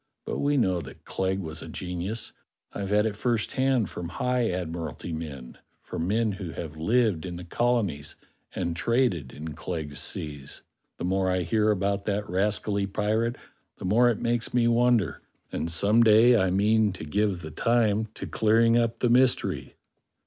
But we know that Clegg was a genius. I've had it first hand from high Admiralty men; from men who have lived in the colonies and traded in Clegg's seas. The more I hear about that rascally pirate the more it makes me wonder; and some day I mean to give the time to clearing up the mystery."